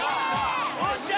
よっしゃ。